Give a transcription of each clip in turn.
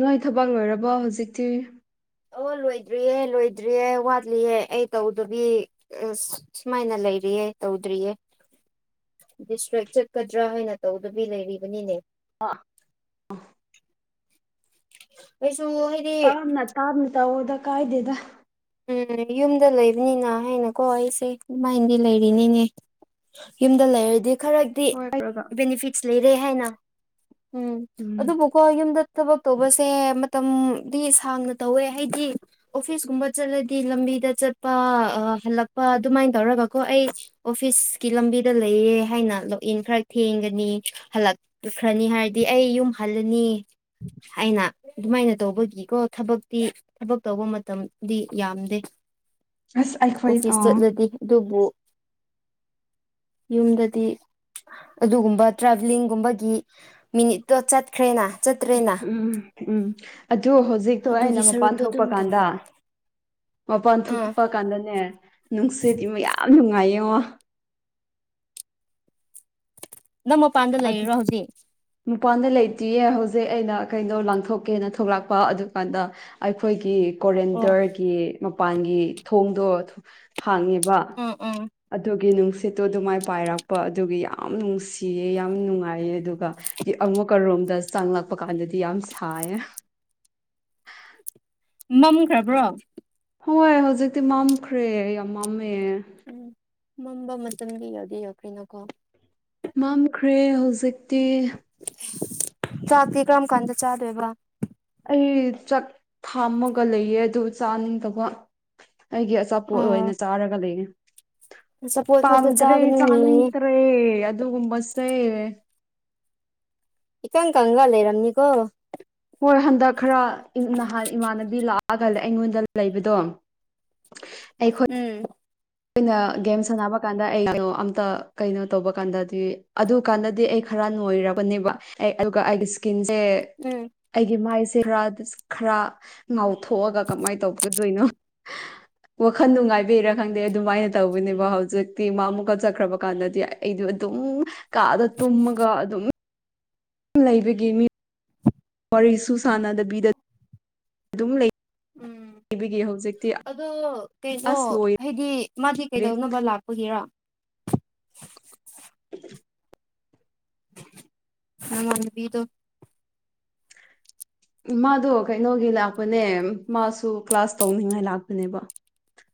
ꯅꯣꯏ ꯊꯕꯛ ꯂꯣꯏꯔꯕꯣ ꯍꯧꯖꯤꯛꯇꯤ ꯑꯣ ꯂꯣꯏꯗ꯭ꯔꯤꯌꯦ ꯂꯣꯏꯗ꯭ꯔꯤꯌꯦ ꯋꯥꯠꯂꯤꯑꯦ ꯑꯩ ꯇꯧꯗꯕꯤ ꯑ ꯁꯨꯃꯥꯏꯅ ꯂꯩꯔꯤꯌꯦ ꯇꯧꯗ꯭ꯔꯤꯌꯦ ꯗꯤꯁꯇ꯭ꯔꯦꯛ ꯆꯠꯀꯗ꯭ꯔꯥ ꯍꯥꯏꯅ ꯇꯧꯗꯕꯤ ꯂꯩꯔꯤꯕꯅꯤꯅꯦ ꯑꯥ ꯑꯩꯁꯨ ꯍꯥꯏꯗꯤ ꯇꯥꯕꯅ ꯇꯥꯥꯞꯅ ꯇꯧꯗ ꯀꯥꯏꯗꯦꯗ ꯎꯝ ꯌꯨꯝꯗ ꯂꯩꯕꯅꯤꯅ ꯍꯥꯏꯅꯀꯣ ꯑꯩꯁꯦ ꯑꯗꯨꯃꯥꯏꯅꯗꯤ ꯂꯩꯔꯤꯅꯤꯅꯦ ꯌꯨꯝꯗ ꯂꯩꯔꯗꯤ ꯈꯔ ꯍꯣꯏ ꯕꯦꯅꯤꯐꯤꯠ ꯂꯩꯔꯦ ꯍꯥꯏꯅ ꯎꯝ ꯑꯗꯨꯕꯨ ꯀꯣ ꯌꯨꯝꯗ ꯊꯕꯛ ꯇꯧꯕꯁꯦ ꯃꯇꯝꯗꯤ ꯁꯥꯡꯅ ꯇꯧꯋꯦ ꯍꯥꯏꯗꯤ ꯑꯣꯐꯤꯁꯀꯨꯝꯕ ꯆꯠꯂꯗꯤ ꯂꯝꯕꯤꯗ ꯆꯠꯄ ꯑ ꯍꯜꯂꯛꯄ ꯑꯗꯨꯃꯥꯏ ꯇꯧꯔꯒꯀꯣ ꯑꯩ ꯑꯣꯐꯤꯁꯀꯤ ꯂꯝꯕꯤꯗ ꯂꯩꯌꯦ ꯍꯥꯏꯅ ꯂꯣꯛꯏꯟ ꯈꯔ ꯊꯦꯡꯒꯅꯤ ꯍꯜꯂꯛ ꯄꯨꯈ꯭ꯔꯅꯤ ꯍꯥꯏꯔꯗꯤ ꯑꯩ ꯌꯨꯝ ꯍꯜꯂꯅꯤ ꯑꯩꯅꯥ ꯑꯗꯨꯃꯥꯏꯅ ꯇꯧꯕꯒꯤꯀꯣ ꯊꯕꯛꯇꯤ ꯊꯕꯛ ꯇꯧꯕ ꯃꯇꯝ ꯗꯤ ꯌꯥꯝꯗꯦ ꯑꯁ ꯑꯣꯐꯤꯁ ꯎꯝ ꯆꯠꯂꯗꯤ ꯑꯗꯨꯕꯨ [inaudible] ꯌꯨꯝꯗꯗꯤ ꯑꯗꯨꯒꯨꯝꯕ ꯇ꯭ꯔꯥꯚꯦꯂꯤꯡꯒꯨꯝꯕꯒꯤ ꯃꯤꯅꯤꯠ ꯎꯝ ꯎꯝ ꯎꯝ ꯑꯗꯨ ꯍꯧꯖꯤꯛꯇꯣ ꯑꯩꯅ ꯑꯗꯨꯒꯤ ꯃꯄꯥꯟ ꯁꯔꯨꯛꯇꯣ ꯊꯣꯛꯄ ꯑꯗꯨꯝ ꯇꯧꯔꯦ ꯀꯥꯟꯗ ꯃꯄꯥꯟ ꯑꯥ ꯊꯣꯛꯄ ꯀꯥꯟꯗꯅꯦ ꯅꯨꯡꯁꯤꯠ ꯏꯃ ꯌꯥꯝ ꯅꯨꯡꯉꯥꯏꯌꯦꯉꯣ ꯅꯪ ꯃꯄꯥꯟꯗ ꯑꯗꯨ ꯂꯩꯔꯤꯔꯣ ꯍꯧꯖꯤꯛ ꯃꯄꯥꯟꯗ ꯂꯩꯇꯤꯌꯦ ꯍꯧꯖꯤꯛ ꯑꯩꯅ ꯀꯩꯅꯣ ꯂꯥꯡꯊꯣꯛꯀꯦꯅ ꯊꯣꯛꯂꯛꯄ ꯑꯗꯨꯀꯥꯟꯗ ꯑꯩꯈꯣꯏꯒꯤ ꯑꯣ ꯀꯣꯔꯦꯟꯗ꯭ꯔꯒꯤ ꯃꯄꯥꯟꯒꯤ ꯊꯣꯡꯗꯣ ꯑꯗꯨ ꯍꯥꯡꯉꯦꯕꯥ ꯎꯝ ꯎꯝ ꯑꯗꯨꯒꯤ ꯅꯨꯡꯁꯤꯠꯇꯨ ꯑꯗꯨꯃꯥꯏ ꯄꯥꯏꯔꯛꯄ ꯑꯗꯨꯒꯤ ꯌꯥꯝ ꯅꯨꯡꯁꯤꯌꯦ ꯌꯥꯝ ꯅꯨꯡꯉꯥꯏꯌꯦ ꯑꯗꯨꯒ ꯑꯃꯨꯛꯀ ꯔꯨꯝꯗ ꯆꯪꯂꯛꯄ ꯀꯥꯟꯗꯗꯤ ꯌꯥꯝ ꯁꯥꯏꯌꯦ ꯃꯝꯈ꯭ꯔꯕ꯭ꯔꯣ ꯍꯣꯏ ꯍꯧꯖꯤꯛꯇꯤ ꯃꯝꯈ꯭ꯔꯦ ꯌꯥꯝ ꯃꯝꯃꯦ ꯎꯝ ꯃꯝꯕ ꯃꯇꯝꯒꯤ ꯌꯧꯗꯤ ꯌꯧꯈ꯭ꯔꯦꯅꯀꯣ ꯃꯝꯈ꯭ꯔꯦ ꯍꯧꯖꯤꯛꯇꯤ ꯆꯥꯛꯇꯤ ꯀꯔꯝ ꯀꯥꯟꯗ ꯆꯥꯗꯣꯏꯕ ꯑꯩ ꯆꯥꯛ ꯊꯥꯝꯃꯒ ꯂꯩꯌꯦ ꯑꯗꯨ ꯆꯥꯅꯤꯡꯗꯕ ꯑꯩꯒꯤ ꯑꯆꯥꯄꯣꯠ ꯑꯣꯏꯅ ꯆꯔꯒ ꯂꯩꯌꯦ ꯆꯄꯣꯠ ꯈꯛꯇ ꯄꯥꯝꯗ꯭ꯔꯦ ꯆꯥꯒꯅꯨꯅꯦ ꯆꯥꯅꯤꯡꯗ ꯈ꯭ꯔꯦ ꯑꯗꯨꯒꯨꯝꯕꯁꯦ ꯏꯀꯪ ꯀꯪꯉꯒꯥ ꯂꯩꯔꯝꯅꯤꯀꯣ ꯍꯣꯏ ꯍꯟꯗꯛ ꯈꯔ ꯅꯍꯥꯟ ꯏꯃꯥꯟꯅꯕꯤ ꯂꯥꯛꯑꯒ ꯑꯩꯉꯣꯟꯗ ꯂꯩꯕꯗꯣ ꯑꯩꯈꯣꯏ ꯎꯝ ꯑꯩꯅ ꯒꯦꯝ ꯁꯥꯟꯅꯕ ꯀꯥꯟꯗ ꯑꯩ ꯀꯩꯅꯣ ꯑꯝꯇ ꯀꯩꯅꯣ ꯇꯧꯕ ꯀꯥꯟꯗꯗꯤ ꯑꯗꯨ ꯀꯥꯟꯗꯗꯤ ꯑꯩ ꯈꯔ ꯅꯣꯏꯔꯕꯅꯦꯕ ꯑꯗꯨꯒ ꯑꯩꯒꯤ ꯏꯁꯀꯤꯟꯁꯦ ꯎꯝ ꯑꯩꯒꯤ ꯃꯥꯏꯁꯦ ꯈꯔ ꯈꯔ ꯉꯥꯎꯊꯣꯛꯑꯒ ꯀꯃꯥꯏꯅ ꯇꯧꯕꯒ ꯀꯩꯅꯣ ꯋꯥꯈꯜ ꯅꯨꯡꯉꯥꯏꯕꯤꯔꯥ ꯈꯪꯗꯦ ꯑꯗꯨꯃꯥꯏꯅ ꯇꯧꯕꯅꯦꯕ ꯍꯧꯖꯤꯛꯇꯤ ꯃꯥ ꯑꯃꯨꯛꯀ ꯆꯠꯈ꯭ꯔꯕ ꯀꯥꯟꯗꯗꯤ ꯑꯩꯗ ꯑꯗꯨꯝ ꯀꯥꯗ ꯇꯨꯝꯃꯒ ꯑꯗꯨꯝ ꯂꯩꯕꯒꯤ ꯃꯤ ꯋꯥꯔꯤꯁꯨ ꯁꯥꯟꯅꯗꯕꯤꯗ ꯑꯗꯨꯝ ꯂꯩ ꯎꯝ ꯄꯕꯒꯤ ꯍꯧꯖꯤꯛꯇꯤ ꯑꯗꯣ ꯀꯩꯅꯣ ꯑꯁ ꯂꯣꯏꯔꯦ ꯍꯥꯏꯗꯤ ꯃꯥꯗꯤ ꯀꯩꯗꯧꯅꯕ ꯂꯥꯛꯄꯒꯤꯔꯥ [inaudible] ꯅꯃꯥꯟꯅꯕꯤꯗꯣ ꯃꯥꯗꯣ ꯀꯩꯅꯣꯒꯤ ꯂꯥꯛꯄꯅꯦ ꯃꯥꯁꯨ ꯀ꯭ꯂꯥꯁ ꯇꯧꯅꯤꯡꯉꯥꯏ ꯂꯥꯛꯄꯅꯦꯕ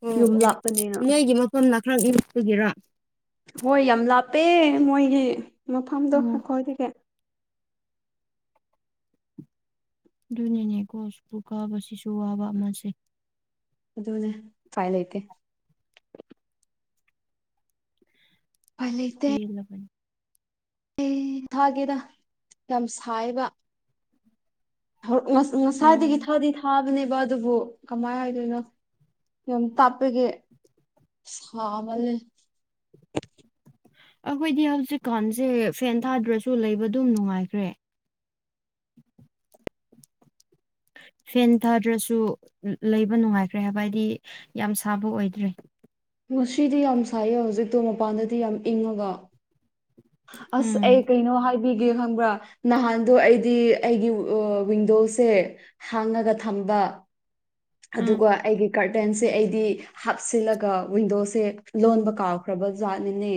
ꯑꯣ ꯌꯨꯝ ꯑꯣ ꯂꯥꯞꯄꯅꯤꯅ ꯅꯣꯏꯒꯤ ꯃꯐꯝꯅ ꯈꯔ ꯏꯡꯕꯒꯤꯔꯥ ꯍꯣꯏ ꯌꯥꯝ ꯂꯥꯞꯄꯦ ꯃꯣꯏꯒꯤ ꯃꯐꯝꯗꯣ ꯑꯣ ꯑꯩꯈꯣꯏꯗꯒꯤ ꯑꯗꯨꯅꯤꯅꯦꯀꯣ ꯁꯨꯄꯨ ꯀꯥꯕꯁꯤꯁꯨ ꯋꯥꯕ ꯑꯃꯁꯦ ꯑꯗꯨꯅꯦ ꯐꯥꯏ ꯂꯩꯇꯦ ꯎꯄꯥꯏ ꯂꯩꯇꯦ ꯄꯦꯂꯕꯅꯤ ꯑꯦ ꯊꯥꯒꯦꯗꯥ ꯌꯥꯝ ꯁꯥꯏꯕ ꯎꯝ ꯉꯁꯥꯏꯗꯒꯤ ꯊꯥꯗꯤ ꯊꯥꯕꯅꯦꯕ ꯑꯗꯨꯕꯨ ꯀꯃꯥꯏ ꯍꯥꯏꯗꯣꯏꯅꯣ ꯌꯣ ꯇꯥꯛꯄꯒꯦ ꯁꯥꯃꯜꯂꯦ ꯑꯩꯈꯣꯏꯗꯤ ꯍꯧꯖꯤꯛꯀꯥꯟꯁꯦ ꯐꯦꯟ ꯊꯥꯗ꯭ꯔꯁꯨ ꯂꯩꯕ ꯑꯗꯨꯝ ꯅꯨꯡꯉꯥꯏꯈ꯭ꯔꯦ ꯐꯦꯟ ꯊꯥꯗ꯭ꯔꯁꯨ ꯂꯩꯕ ꯅꯨꯡꯉꯥꯏꯈ꯭ꯔꯦ ꯍꯥꯏꯕ ꯍꯥꯏꯗꯤ ꯌꯥꯝ ꯁꯥꯕ ꯑꯣꯏꯗ꯭ꯔꯦ ꯉꯁꯤꯗꯤ ꯌꯥꯝ ꯁꯥꯏꯌꯦ ꯍꯧꯖꯤꯛꯇꯣ ꯃꯄꯥꯟꯗꯗꯤ ꯌꯥꯝ ꯏꯪꯉꯒ ꯑꯁ ꯑꯩ ꯎꯝ ꯀꯩꯅꯣ ꯍꯥꯏ ꯒꯦ ꯈꯪꯕ꯭ꯔꯥ ꯅꯍꯥꯟꯗꯣ ꯑꯩꯗꯤ ꯑꯩꯒꯤ ꯋꯤꯡꯗꯣꯁꯦ ꯍꯥꯡꯉꯒ ꯊꯝꯕ ꯎꯝ ꯑꯗꯨꯒ ꯑꯩꯒꯤ ꯒꯥꯔꯇꯦꯟꯁꯦ ꯑꯩꯗꯤ ꯍꯥꯞꯆꯜꯂꯒ ꯋꯤꯟꯗꯣꯁꯦ ꯂꯣꯟꯕ ꯀꯥꯎꯈ꯭ꯔꯕ ꯖꯥꯠꯅꯤꯅꯦ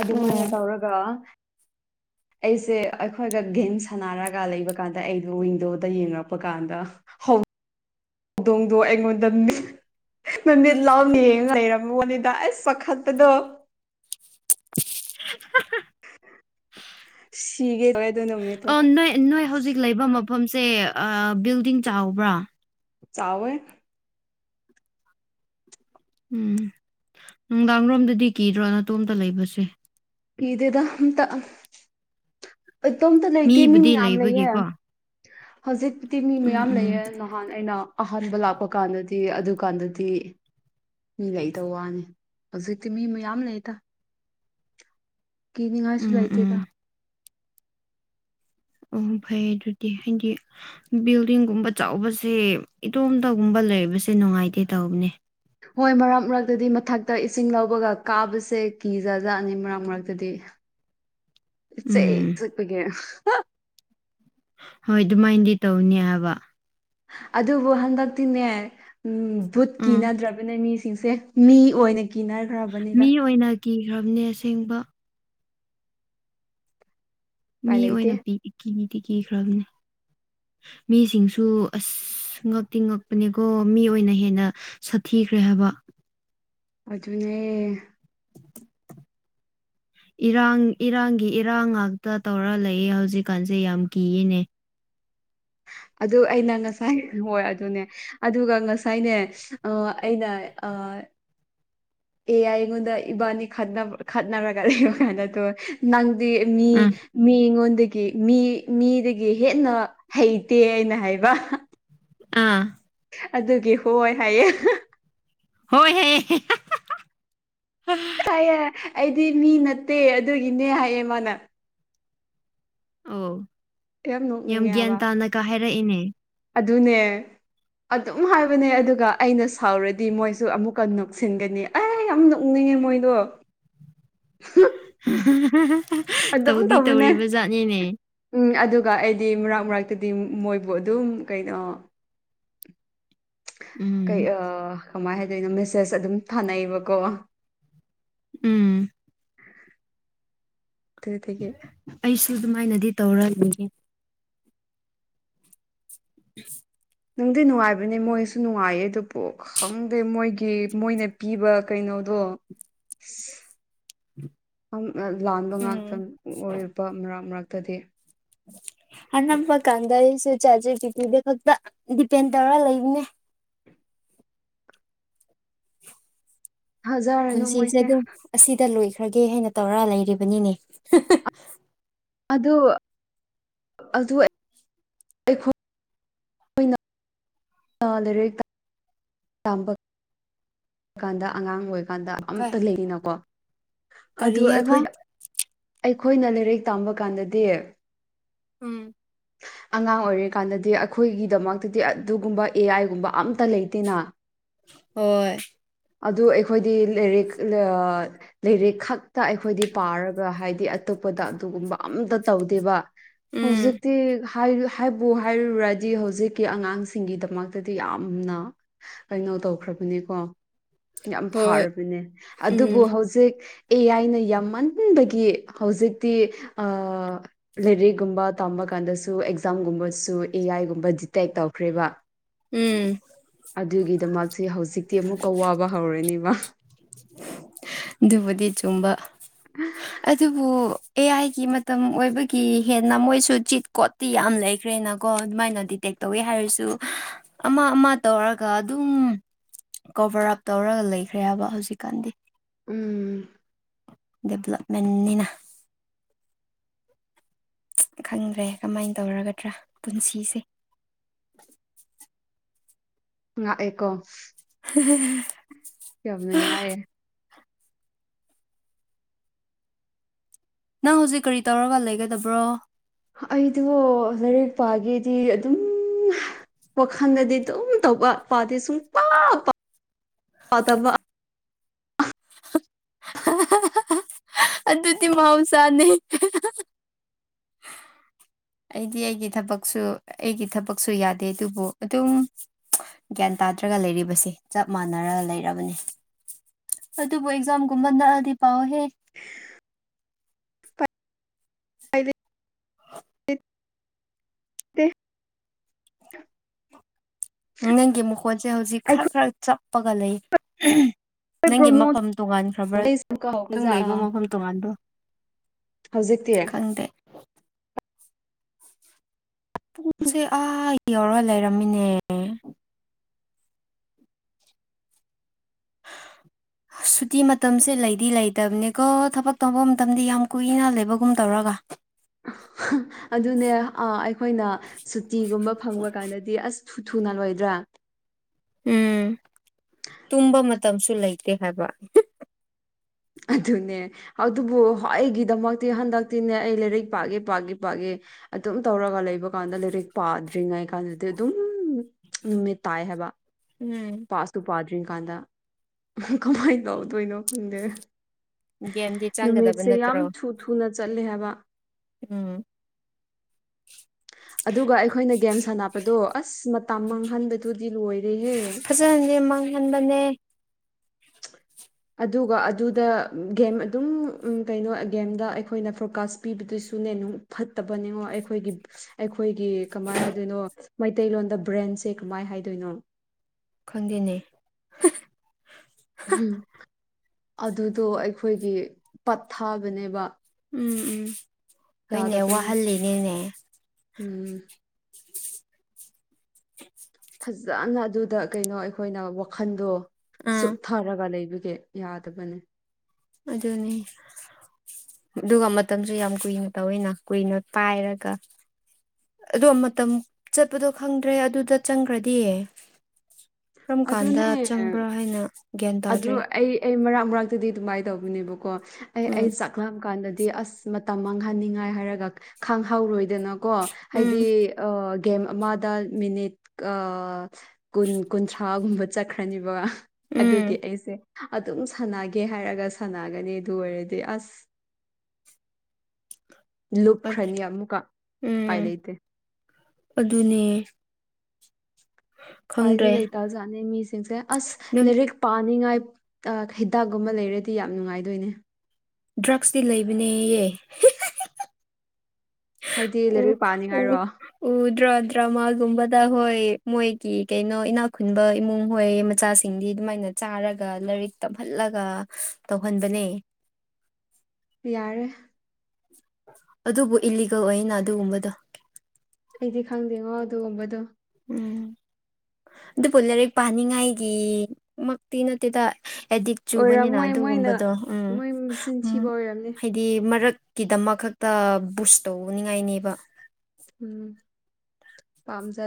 ꯑꯗꯨꯃꯥꯏꯅ ꯇꯧꯔꯒ ꯑꯩꯁꯦ ꯑꯩꯈꯣꯏꯒ ꯒꯦꯝ ꯁꯥꯟꯅꯔꯒ ꯂꯩꯕ ꯀꯥꯟꯗ ꯑꯩꯗꯣ ꯋꯤꯟꯗꯣꯗ ꯌꯦꯡꯉꯛꯄ ꯀꯥꯟꯗ ꯍꯦꯜ ꯍꯧꯗꯣꯡꯗꯣ ꯑꯩꯉꯣꯟꯗꯅꯤ ꯃꯃꯤꯠ ꯂꯥꯎꯅ ꯌꯦꯡꯉ ꯂꯩꯔꯝꯃꯒꯣꯅꯤꯗ ꯑꯁ ꯄꯥꯈꯠꯄꯗꯣ [unintelligible] ꯁꯤꯒꯦ ꯇꯧꯋꯦ ꯑꯗꯨ ꯅꯨꯃꯤꯠꯇꯣ ꯑ ꯅꯣꯏ ꯅꯣꯏ ꯍꯧꯖꯤꯛ ꯂꯩꯕ ꯃꯐꯝꯁꯦ ꯕꯤꯜꯗꯤꯡ ꯆꯥꯎꯕ꯭ꯔꯥ ꯆꯥꯎꯋꯦ ꯎꯝ ꯅꯨꯡꯗꯥꯡꯔꯣꯝꯗꯗꯤ ꯀꯤꯗ꯭ꯔꯣ ꯅꯅꯥꯇꯣꯝꯇ ꯂꯩꯕꯁꯦ ꯀꯤꯗꯦꯗ ꯑꯝꯇ ꯏꯇꯣꯝꯇ ꯂꯩꯇꯦ ꯃꯤ ꯃꯤꯕꯨꯗꯤ ꯃꯌꯥꯝ ꯂꯩꯌꯦ ꯂꯩꯕꯒꯤꯀꯣ ꯍꯧꯖꯤꯛꯄꯨꯗꯤ ꯃꯤ ꯎꯝ ꯃꯌꯥꯝ ꯎꯝ ꯂꯩꯌꯦ ꯅꯍꯥꯟ ꯑꯩꯅ ꯑꯍꯥꯟꯕ ꯂꯥꯛꯄ ꯀꯥꯟꯗꯗꯤ ꯑꯗꯨꯀꯥꯟꯗꯗꯤ ꯃꯤ ꯂꯩꯇꯕ ꯋꯥꯅꯤ ꯍꯧꯖꯤꯛꯇꯤ ꯃꯤ ꯃꯌꯥꯝ ꯂꯩꯗ ꯀꯤꯅꯤꯡꯉꯥꯏꯁꯨ ꯎꯝ ꯎꯝ ꯂꯩꯇꯦꯗ ꯑꯣ ꯐꯩꯌꯦ ꯑꯗꯨꯗꯤ ꯍꯥꯏꯗꯤ ꯕꯤꯜꯗꯤꯡꯒꯨꯝꯕ ꯆꯥꯎꯕꯁꯦ ꯏꯇꯣꯝꯇꯒꯨꯝꯕ ꯂꯩꯕꯁꯦ ꯅꯨꯡꯉꯥꯏꯇꯦ ꯇꯧꯕꯅꯦ ꯍꯣꯏ ꯃꯔꯛ ꯃꯔꯛꯇꯗꯤ ꯃꯊꯛꯇ ꯏꯁꯤꯡ ꯂꯧꯕꯒ ꯀꯥꯕꯁꯦ ꯀꯤꯖꯥ ꯖꯠꯅꯤ ꯃꯔꯛ ꯃꯔꯛꯇꯗꯤ ꯎꯝ ꯄꯤꯁꯦꯛꯄꯤꯛꯄꯒꯤ ꯍꯣꯏ ꯑꯗꯨꯃꯥꯏꯅꯗꯤ ꯇꯧꯅꯤ ꯍꯥꯏꯕ ꯑꯗꯨꯕꯨ ꯍꯟꯗꯛꯇꯤꯅꯦ ꯕꯨꯠ ꯀꯤ ꯎꯝ ꯅꯗ꯭ꯔꯕꯅꯦ ꯃꯤꯁꯤꯡꯁꯦ ꯃꯤ ꯑꯣꯏꯅ ꯀꯤꯅꯔ ꯃꯤ ꯑꯣꯏꯅ ꯀꯤꯈ꯭ꯔꯕꯅꯦ ꯑꯁꯦꯡꯕ ꯃꯤ ꯎꯄꯥꯏ ꯂꯩꯇꯦ ꯑꯣꯏꯅ ꯄꯤ ꯀꯤꯄꯤꯗꯤ ꯀꯤꯈ꯭ꯔꯕꯅꯤ ꯃꯤꯁꯤꯡꯁꯨ ꯑꯁ ꯉꯛꯇꯤ ꯉꯛꯄꯅꯦꯀꯣ ꯃꯤ ꯑꯣꯏꯅ ꯍꯦꯟꯅ ꯁꯥꯊꯤꯈ꯭ꯔꯦ ꯍꯥꯏꯕ ꯑꯗꯨꯅꯦ ꯏꯔꯥꯡ ꯏꯔꯥꯡꯒꯤ ꯏꯔꯥꯡ ꯉꯥꯛꯇ ꯇꯧꯔ ꯂꯩꯌꯑꯦ ꯍꯧꯖꯤꯛꯀꯥꯟꯁꯦ ꯌꯥꯝ ꯀꯤꯌꯦꯅꯦ ꯑꯗꯨ ꯑꯩꯅ ꯉꯁꯥꯏ ꯍꯣꯏ ꯑꯗꯨꯅꯦ ꯑꯗꯨꯒ ꯉꯁꯥꯏꯅꯦ ꯑ ꯑꯩꯅ ꯑ ꯑꯦ ꯑꯩꯉꯣꯟꯗ ꯏꯕꯥꯟꯅꯤ ꯈꯠ ꯈꯠꯅꯔꯒ ꯂꯩꯕ ꯀꯥꯟꯗꯠꯇꯣ ꯅꯪꯗꯤ ꯃꯤ ꯑꯥ ꯃꯤ ꯑꯩꯉꯣꯟꯗꯒꯤ ꯃꯤ ꯃꯤꯗꯒꯤ ꯍꯦꯟꯅ ꯍꯩꯇꯦ ꯍꯥꯏꯅ ꯍꯥꯏꯕ ꯑꯥ ꯑꯗꯨꯒꯤ ꯍꯣꯏ ꯍꯥꯏꯌꯦ ꯍꯣꯏ ꯍꯦ [unintelligible] ꯑꯌꯥ ꯑꯩꯗꯤ ꯃꯤ ꯅꯠꯇꯦ ꯑꯗꯨꯒꯤꯅꯦ ꯍꯥꯏꯌꯦ ꯃꯥꯅ ꯑꯣ ꯌꯥꯝ ꯅꯣꯛꯅꯤꯡꯉꯦ ꯒ꯭ꯌꯥꯟ ꯍꯥꯏꯕ ꯇꯥꯅꯒ ꯍꯥꯏꯔꯛꯏꯅꯦ ꯑꯗꯨꯅꯦ ꯑꯗꯨꯝ ꯍꯥꯏꯕꯅꯦ ꯑꯗꯨꯒ ꯑꯩꯅ ꯁꯥꯎꯔꯗꯤ ꯃꯣꯏꯁꯨ ꯑꯃꯨꯛꯀ ꯅꯣꯛꯁꯤꯟꯒꯅꯤ ꯑꯦ ꯌꯥꯝꯅ ꯅꯣꯛꯅꯤꯡꯉꯦ ꯃꯣꯏꯗꯣ [unintelligible] [unintelligible] ꯑꯗꯨꯝ ꯇꯧꯗꯤ ꯇꯧꯕꯅꯦ ꯇꯧꯔꯤꯕ ꯖꯥꯠꯅꯤꯅꯦ ꯎꯝ ꯑꯗꯨꯒ ꯑꯩꯗꯤ ꯃꯔꯛ ꯃꯔꯛꯇꯗꯤ ꯃꯣꯏꯕꯨ ꯑꯗꯨꯝ ꯀꯩꯅꯣ ꯎꯝ ꯀꯩ ꯑ ꯀꯃꯥꯏꯅ ꯍꯥꯏꯗꯣꯏꯅꯣ ꯃꯦꯁꯦꯁ ꯑꯗꯨꯝ ꯊꯥꯅꯩꯕꯀꯣ ꯎꯝ ꯑꯗꯨꯗꯒꯤ ꯑꯩꯁꯨ ꯑꯗꯨꯃꯥꯏꯅꯗꯤ ꯇꯧꯔ ꯑꯗꯨꯂꯩ ꯅꯤꯡꯗꯤ ꯅꯨꯡꯉꯥꯏꯕꯅꯦ ꯃꯣꯏꯁꯨ ꯅꯨꯡꯉꯥꯏꯌꯦ ꯑꯗꯨ ꯄꯨ ꯈꯪꯗꯦ ꯃꯣꯏꯒꯤ ꯃꯣꯏꯅ ꯄꯤꯕ ꯀꯩꯅꯣꯗꯣ ꯑꯁ ꯂꯥꯟꯕ ꯉꯥꯛꯇ ꯎꯝ ꯑꯣꯏꯕ ꯃꯔꯛ ꯃꯔꯛꯇꯗꯤ ꯑꯅꯝꯕ ꯀꯥꯟꯗ ꯑꯩꯁꯨ ꯆꯥꯕ ꯖꯤꯄꯤꯗꯤꯗ ꯈꯛꯇ ꯗꯤꯄꯦꯟ ꯇꯧꯔ ꯂꯩꯕꯅꯦ ꯊꯥꯖꯔꯅꯨ ꯄꯨꯟꯁꯤꯁꯦ ꯃꯣꯏꯁꯦ ꯑꯗꯨꯝ ꯑꯁꯤꯗ ꯂꯣꯏꯈ꯭ꯔꯒꯦ ꯍꯥꯏꯅ ꯇꯧꯔ ꯂꯩꯔꯤꯕꯅꯤꯅꯦ ꯑꯗꯨ ꯑꯗꯨ ꯑꯈꯣꯏ ꯑꯥ ꯂꯩꯔꯤꯛ ꯇꯝꯕ ꯇꯝ ꯀꯥꯟꯗ ꯑꯉꯥꯡ ꯑꯣꯏꯔꯀꯥꯟꯗ ꯑꯝꯇ ꯂꯩꯔꯤꯅꯀꯣ ꯑꯗꯨ ꯀꯔꯤ ꯍꯥꯏꯕ ꯑꯩꯈꯣꯏꯗ ꯑꯩꯈꯣꯏꯅ ꯂꯥꯏꯔꯤꯛ ꯇꯝꯕ ꯀꯥꯟꯗꯗꯤ ꯎꯝ ꯑ ꯑꯉꯥꯡ ꯑꯣꯏꯔꯤꯀꯥꯟꯗꯗꯤ ꯑꯩꯈꯣꯏꯒꯤꯗꯃꯛꯇꯗꯤ ꯑꯗꯨꯒꯨꯝꯕ ꯑꯦ ꯑꯥꯏꯒꯨꯝꯕ ꯑꯝꯇ ꯂꯩꯇꯦꯅ ꯍꯣꯏ ꯑꯗꯨ ꯑꯩꯈꯣꯏꯗꯤ ꯂꯥꯏꯔꯤꯛ ꯂꯩꯔꯤꯛ ꯈꯛꯇ ꯑꯩꯈꯣꯏꯗꯤ ꯄꯥꯔꯒ ꯍꯥꯏꯗꯤ ꯑꯇꯣꯞꯄꯗ ꯑꯗꯨꯒꯨꯝꯕ ꯑꯝꯇ ꯇꯧꯗꯦꯕ ꯎꯝ ꯍꯧꯖꯤꯛꯗꯤ ꯍꯥꯏꯕꯨ ꯍꯥꯏꯔꯨꯔꯗꯤ ꯍꯧꯖꯤꯛꯀꯤ ꯑꯉꯥꯡꯁꯤꯡꯒꯤꯗꯃꯛꯇꯗꯤ ꯌꯥꯝꯅ ꯀꯩꯅꯣ ꯇꯧꯈ꯭ꯔꯕꯅꯦꯀꯣ ꯌꯥꯝ ꯍꯣꯏ ꯐꯔꯕꯅꯦ ꯑꯗꯨꯕꯨ ꯎꯝ ꯍꯧꯖꯤꯛ ꯑꯦ ꯑꯥꯏꯅ ꯌꯥꯝꯃꯟꯕꯒꯤ ꯍꯧꯖꯤꯛꯇꯤ ꯑꯥ ꯂꯥꯏꯔꯤꯛꯀꯨꯝꯕ ꯇꯝꯕ ꯀꯥꯟꯗꯁꯨ ꯑꯦꯛꯖꯥꯝꯒꯨꯝꯕꯁꯨ ꯑꯦ ꯑꯥꯏꯒꯨꯝꯕ ꯗꯤꯇꯦꯛ ꯇꯧꯈ꯭ꯔꯦꯕ ꯎꯝ ꯑꯗꯨꯒꯤꯗꯃꯛꯁꯦ ꯍꯧꯖꯤꯛꯇꯤ ꯑꯃꯨꯛꯀ ꯋꯥꯕ ꯍꯧꯔꯅꯦꯕ ꯑꯗꯨꯕꯨꯗꯤ ꯆꯨꯝꯕ ꯎꯝ ꯑꯗꯨꯕꯨ ꯑꯦ ꯑꯥꯏꯒꯤ ꯃꯇꯝ ꯑꯣꯏꯕꯒꯤ ꯍꯦꯟꯅ ꯃꯣꯏꯁꯨ ꯖꯤꯠ ꯀꯣꯠꯇꯤ ꯌꯥꯝ ꯂꯩꯈ꯭ꯔꯦꯅ ꯀꯣ ꯑꯗꯨꯃꯥꯏꯅ ꯗꯤꯇꯦꯛ ꯇꯧꯋꯦ ꯍꯥꯏꯔꯁꯨ ꯑꯃ ꯑꯃ ꯇꯧꯔꯒ ꯑꯗꯨꯝ ꯀꯣꯚꯔ ꯑꯞ ꯇꯧꯔꯒ ꯂꯩꯈ꯭ꯔꯦ ꯍꯥꯏꯕ ꯍꯧꯖꯤꯛꯀꯥꯟꯗꯤ ꯎꯝ ꯗꯦꯕꯂꯞꯃꯦꯟꯅꯤꯅ ꯈꯪꯗ꯭ꯔꯦ ꯀꯃꯥꯏꯅ ꯇꯧꯔꯒꯗ꯭ꯔꯥ ꯄꯨꯟꯁꯤꯁꯦ ꯉꯥꯛꯑꯦꯀꯣ ꯍꯝ ꯌꯥꯝ ꯅꯨꯡꯉꯥꯏꯌꯦ ꯅꯪ ꯍꯧꯖꯤꯛ ꯀꯔꯤ ꯇꯧꯔꯒ ꯂꯩꯒꯗꯕ꯭ꯔꯣ ꯑꯩꯗꯣ ꯂꯥꯏꯔꯤꯛ ꯄꯥꯒꯦꯗꯤ ꯑꯗꯨꯝ ꯋꯥꯈꯜꯗꯗꯤ ꯑꯗꯨꯝ ꯇꯧꯕ ꯄꯥꯗꯏ ꯁꯨꯡꯄꯥ ꯄꯗꯕ ꯑꯗꯨꯗꯤ ꯃꯍꯧꯁꯥꯅꯤ ꯑꯩꯗꯤ ꯑꯩꯒꯤ ꯊꯕꯛꯁꯨ ꯑꯩꯒꯤ ꯊꯕꯛꯁꯨ ꯌꯥꯗꯦ ꯑꯗꯨꯕꯨ ꯑꯗꯨꯝ ꯒ꯭ꯌꯥꯟ ꯇꯥꯗ꯭ꯔꯒ ꯂꯩꯔꯤꯕꯁꯤ ꯆꯞ ꯃꯥꯟꯅꯔꯒ ꯂꯩꯔꯕꯅꯤ ꯑꯗꯨꯕꯨ ꯑꯦꯛꯖꯥꯝꯒꯨꯝꯕ ꯅꯛꯑꯗꯤ ꯄꯥꯎꯍꯦ ꯎ ꯍꯥꯏꯥꯏꯗꯤ ꯇ ꯅꯪꯒꯤ ꯃꯈꯣꯟꯁꯦ ꯍꯧꯖꯤꯛ ꯈꯔ ꯑꯩꯈꯣꯏ ꯈꯔ ꯆꯞꯄꯒ ꯂꯩ ꯅꯪꯒꯤ ꯄ꯭ꯔꯣꯃꯣꯠ ꯃꯐꯝ ꯇꯣꯉꯥꯟꯈ꯭ꯔꯕ꯭ꯔꯥ ꯅꯪ ꯂꯩꯕ ꯃꯐꯝ ꯇꯣꯉꯥꯟꯕ꯭ꯔꯣ ꯍꯧꯖꯤꯛꯇꯤ ꯈꯪꯗꯦ ꯄꯨꯡꯁꯦ ꯑꯥ ꯌꯧꯔꯒ ꯂꯩꯔꯝꯃꯤꯅꯦ ꯍ ꯁꯨꯇꯤ ꯃꯇꯝꯁꯦ ꯂꯩꯗꯤ ꯂꯩꯇꯕꯅꯤꯀꯣ ꯊꯕꯛ ꯇꯧꯕ ꯃꯇꯝꯗꯤ ꯌꯥꯝ ꯀꯨꯏꯅ ꯂꯩꯕꯒꯨꯝ ꯇꯧꯔꯒ ꯑꯗꯨꯅꯦ ꯑꯩꯈꯣꯏꯅ ꯁꯨꯇꯤꯒꯨꯝꯕ ꯐꯪꯕ ꯀꯥꯟꯗꯗꯤ ꯑꯁ ꯊꯨ ꯊꯨꯅ ꯂꯣꯏꯗ꯭ꯔꯥ ꯎꯝ ꯇꯨꯝꯕ ꯃꯇꯝꯁꯨ ꯂꯩꯇꯦ ꯍꯥꯏꯕ ꯑꯗꯨꯅꯦ ꯑꯗꯨꯕꯨ ꯑꯩꯒꯤꯗꯃꯛꯇꯤ ꯍꯟꯗꯛꯇꯤꯅꯦ ꯑꯩ ꯂꯥꯏꯔꯤꯛ ꯄꯥꯒꯦ ꯄꯥꯒꯦ ꯄꯥꯒꯦ ꯑꯗꯨꯝ ꯇꯧꯔꯒ ꯂꯩꯕ ꯀꯥꯟꯗ ꯂꯥꯏꯔꯤꯛ ꯄꯥꯗ꯭ꯔꯤꯉꯩ ꯀꯥꯟꯗꯗꯤ ꯑꯗꯨꯝ ꯅꯨꯃꯤꯠ ꯇꯥꯏ ꯍꯥꯏꯕ ꯎꯝ ꯄꯇꯨ ꯄꯥꯗ꯭ꯔꯤ ꯀꯥꯟꯗ ꯀꯃꯥꯏꯅ ꯇꯧꯗꯣꯏꯅꯣ ꯈꯪꯗꯦ ꯒꯦꯝꯗꯤ ꯆꯪꯒꯗꯕ ꯅꯨꯃꯤꯠꯁꯦ ꯌꯥꯝ ꯅꯠꯇ꯭ꯔꯣ ꯊꯨ ꯊꯨꯅ ꯆꯠꯂꯦ ꯍꯥꯏꯕ ꯎꯝ ꯑꯗꯨꯒ ꯑꯩꯈꯣꯏꯅ ꯒꯦꯝ ꯁꯥꯟꯅꯕꯗꯣ ꯑꯁ ꯃꯇꯝ ꯃꯥꯡꯍꯟꯕꯗꯨꯗꯤ ꯂꯣꯏꯔꯦꯍꯦ ꯐꯖꯅꯗꯤ ꯃꯥꯡꯍꯟꯕꯅꯦ ꯑꯗꯨꯒ ꯑꯗꯨꯗ ꯒꯦꯝ ꯑꯗꯨꯝ ꯀꯩꯅꯣ ꯒꯦꯝꯗ ꯑꯩꯈꯣꯏꯅ ꯐꯣꯀꯥꯁ ꯄꯤꯕꯗꯨꯁꯨꯅꯦ ꯐꯠꯇꯕꯅꯤꯉꯣ ꯑꯩꯈꯣꯏꯒꯤ ꯑꯩꯈꯣꯏꯒꯤ ꯀꯃꯥꯏ ꯍꯥꯏꯗꯣꯏꯅꯣ ꯃꯩꯇꯩꯂꯣꯟꯗ ꯕ꯭ꯔꯦꯟꯁꯦ ꯀꯃꯥꯏ ꯍꯥꯏꯗꯣꯏꯅꯣ ꯈꯪꯗꯦꯅꯦ ꯎꯝ ꯑꯗꯨꯗꯣ ꯑꯩꯈꯣꯏꯒꯤ ꯄꯠꯊꯥꯕꯅꯦꯕ ꯎꯝ ꯎꯝ ꯍꯣꯏꯅꯦ ꯌꯥꯗꯕꯅꯦ ꯋꯥꯍꯜꯂꯤꯅꯦꯅꯦ ꯎꯝ ꯍ ꯐꯖꯅ ꯑꯗꯨꯗ ꯀꯩꯅꯣ ꯑꯩꯈꯣꯏꯅ ꯋꯥꯈꯟꯗꯣ ꯑꯥ ꯁꯨꯞꯨꯞꯊꯔꯒ ꯂꯩꯕꯒꯤ ꯌꯥꯗꯕꯅꯦ ꯑꯗꯨꯅꯤ ꯑꯗꯨꯒ ꯃꯇꯝꯁꯨ ꯌꯥꯝ ꯀꯨꯏꯅ ꯇꯧꯋꯤꯅ ꯀꯨꯏꯅ ꯄꯥꯏꯔꯒ ꯑꯗꯣ ꯃꯇꯝ ꯆꯠꯄꯗꯣ ꯈꯪꯗ꯭ꯔꯦ ꯑꯗꯨꯗ ꯆꯪꯈ꯭ꯔꯗꯤꯌꯦ ꯀꯔꯝ ꯑꯗꯨꯅꯦ ꯀꯥꯟꯗ ꯆꯪꯕ꯭ꯔꯥ ꯍꯥꯏꯅ ꯒ꯭ꯌꯥꯟ ꯑꯗꯨ ꯇꯥꯗ꯭ꯔꯦ ꯑꯩ ꯑꯩ ꯃꯔꯥꯛ ꯃꯔꯥꯛꯛꯇꯗꯤ ꯑꯗꯨꯃꯥꯏꯅ ꯇꯧꯕꯅꯦꯕꯀꯣ ꯑꯩ ꯑꯩ ꯎꯝ ꯆꯥꯛ ꯀꯝꯀꯥꯟꯗꯗꯤ ꯑꯁ ꯃꯇꯝ ꯃꯥꯡꯍꯟꯅꯤꯡꯉꯥꯏ ꯍꯥꯏꯔꯒ ꯈꯪꯍꯧꯔꯣꯏꯗꯅ ꯀꯣ ꯎꯝ ꯍꯥꯏꯗꯤ ꯒꯦꯝ ꯑꯃꯗ ꯃꯤꯅꯤꯠ ꯀꯨꯟ ꯀꯨꯟꯊ꯭ꯔꯥꯒꯨꯝꯕ ꯆꯠꯈ꯭ꯔꯅꯤꯕ ꯑꯗꯨꯒꯤ ꯎꯝ ꯑꯩꯁꯦ ꯑꯗꯨꯝ ꯁꯥꯟꯅꯒꯦ ꯍꯥꯏꯔꯒ ꯁꯥꯟꯅꯒꯅꯤ ꯑꯗꯨ ꯑꯣꯏꯔꯗꯤ ꯑꯁ ꯂꯨꯞꯨꯈ꯭ꯔꯅꯤ ꯑꯃꯨꯀ ꯄꯥꯏ ꯎꯝ ꯂꯩꯇꯦ ꯑꯗꯨꯅꯦ ꯄꯥꯏꯗꯤ ꯈꯪꯗ꯭ꯔꯦ ꯂꯩꯇꯥꯖꯥꯠꯅꯤ ꯃꯤꯁꯤꯡꯁꯦ ꯑꯁ ꯅꯪ ꯂꯔꯤꯛ ꯄꯥꯅꯤꯡꯉꯥꯏ ꯍꯤꯗꯥꯛꯀꯨꯝꯕ ꯂꯩꯔꯗꯤ ꯌꯥꯝ ꯅꯨꯡꯉꯥꯏꯗꯣꯏꯅꯦ ꯗ꯭ꯔꯛꯁꯇꯤ ꯂꯩꯕꯅꯦꯌꯦ ꯍꯥꯏꯗꯤ ꯑꯣ ꯂꯥꯏꯔꯤꯛ ꯄꯥꯅꯤꯡꯉꯥꯏꯔꯣ ꯑꯣ ꯎ ꯗ꯭ꯔꯥ ꯗ꯭ꯔꯃꯥꯒꯨꯝꯕꯗ ꯍꯣꯏ ꯃꯣꯏꯒꯤ ꯀꯩꯅꯣ ꯏꯅꯥꯛ ꯈꯨꯨꯟꯕ ꯏꯃꯨꯡ ꯍꯣꯏꯌꯦ ꯃꯆꯥꯁꯤꯡꯗꯤ ꯑꯗꯨꯃꯥꯏꯅ ꯆꯥꯔꯒ ꯂꯥꯏꯔꯤꯛ ꯇꯝꯍꯜꯂꯒ ꯇꯧꯍꯟꯕꯅꯦ ꯌꯥꯔꯦ ꯑꯗꯨꯕꯨ ꯏꯂꯤꯒꯜ ꯑꯣꯏꯅ ꯑꯗꯨꯒꯨꯝꯕꯗꯣ ꯑꯩꯗꯤ ꯈꯪꯗꯦꯉꯣ ꯑꯗꯨꯒꯨꯝꯕꯗꯣ ꯎꯝ ꯑꯗꯨꯕꯨ ꯂꯥꯏꯔꯤꯛ ꯄꯥꯅꯤꯡꯉꯥꯏꯒꯤ ꯃꯛꯇꯤ ꯅꯠꯇꯦꯗ ꯑꯦꯗꯤꯛ ꯆꯨꯕꯅꯤꯅ ꯑꯣꯏꯔꯝꯃꯣꯏ ꯃꯣꯏꯅ ꯑꯗꯨꯒꯨꯝꯕꯗꯣ ꯎꯝ ꯃꯣꯏ ꯃꯆꯤꯟ ꯍꯥꯏꯗꯤ ꯊꯤꯕ ꯑꯣꯏꯔꯝꯅꯤ ꯍꯥꯏꯗꯤ ꯃꯔꯛꯀꯤꯗꯃꯛ ꯈꯛꯇ ꯕꯨꯁ ꯇꯧꯅꯤꯡꯉꯥꯏꯅꯦꯕ ꯎꯝ ꯀꯥꯝꯖꯗ